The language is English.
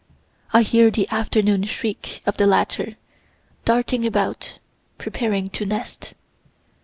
I hear the afternoon shriek of the latter, darting about, preparing to nest.